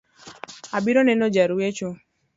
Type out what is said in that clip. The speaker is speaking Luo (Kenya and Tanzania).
Abiyo neno ja ruecho